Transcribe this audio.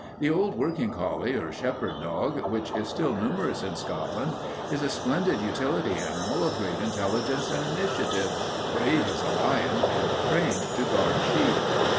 The old working collie or shepherd dog, which is still numerous in Scotland, is a splendid utility animal of great intelligence and initiative, brave as a lion, and trained to guard sheep.